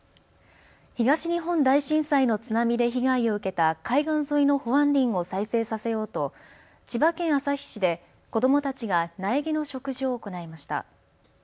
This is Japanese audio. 東日本大震災の津波で被害を受けた海岸沿いの保安林を再生させようと千葉県旭市で子どもたちが苗木の植樹を行いました。